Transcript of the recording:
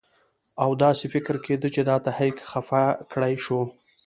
او داسې فکر کېده چې دا تحریک خفه کړی شو.